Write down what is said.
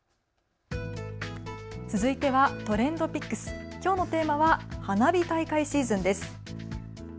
続いてはＴｒｅｎｄＰｉｃｋｓ、きょうのテーマは花火大会シーズンです。